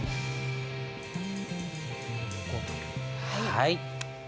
はい。